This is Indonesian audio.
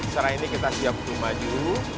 setelah ini kita siap untuk maju